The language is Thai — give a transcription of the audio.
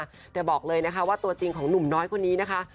แต่บอกเลยนะคะว่าตัวจริงของหนุ่มน้อยคนนี้นะคะ